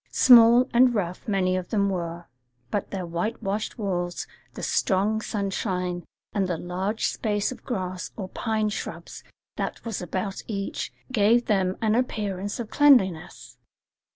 Small and rough many of them were; but their whitewashed walls, the strong sunshine, and the large space of grass or pine shrubs that was about each, gave them an appearance of cleanliness.